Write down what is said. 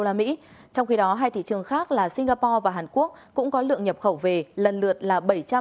trong khi đó hai thị trường khác là singapore và hàn quốc cũng có lượng nhập khẩu về lần lượt là